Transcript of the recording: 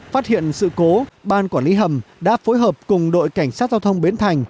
phát hiện sự cố ban quản lý hầm đã phối hợp cùng đội cảnh sát giao thông bến thành